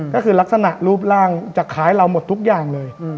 ก็คือลักษณะรูปร่างจะคล้ายเราหมดทุกอย่างเลย